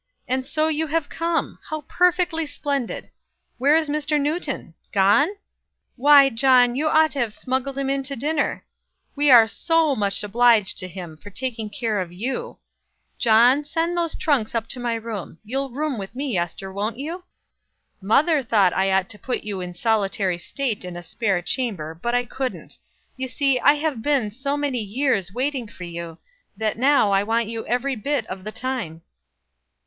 And so you have come! How perfectly splendid. Where is Mr. Newton? Gone? Why, John, you ought to have smuggled him in to dinner. We are so much obliged to him for taking care of you. John, send those trunks up to my room. You'll room with me, Ester, won't you? Mother thought I ought to put you in solitary state in a spare chamber, but I couldn't. You see I have been so many years waiting for you, that now I want you every bit of the time."